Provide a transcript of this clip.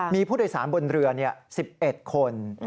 มีผู้โดยสารบนเรือ๑๑คน